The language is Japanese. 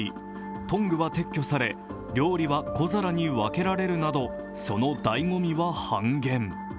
トングは撤去され、料理は小皿に分けられるなどそのだいごみは半減。